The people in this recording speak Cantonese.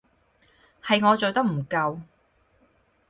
係我做得唔夠